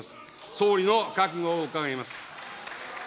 総理の覚悟を伺います。